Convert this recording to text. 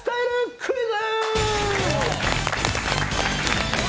クイズ！